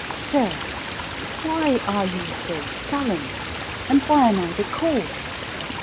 SIR, Why are you so sullen, and why am I the cause?